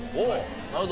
なるほど。